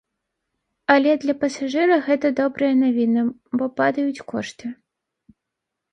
Але для пасажыра гэта добрая навіна, бо падаюць кошты.